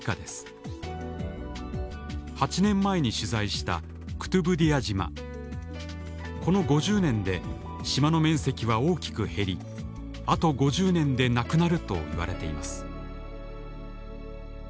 ８年前に取材したこの５０年で島の面積は大きく減りあと５０年でなくなるといわれています